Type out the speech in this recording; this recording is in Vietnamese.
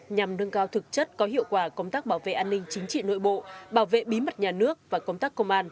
nhằm nâng cao thực chất có hiệu quả công tác bảo vệ an ninh chính trị nội bộ bảo vệ bí mật nhà nước và công tác công an